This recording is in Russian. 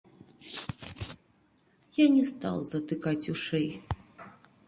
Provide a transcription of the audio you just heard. Я не стал затыкать ушей.